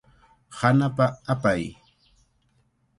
Hanapa hapay.